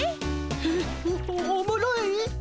えおもろい！？